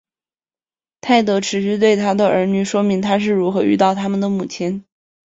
泰德持续对他的儿女说明他是如何遇到他们的母亲。